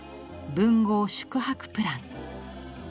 「文豪宿泊プラン」。